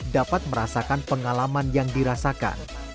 dapat merasakan pengalaman yang dirasakan